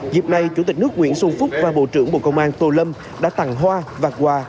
dịp này chủ tịch nước nguyễn xuân phúc và bộ trưởng bộ công an tô lâm đã tặng hoa và quà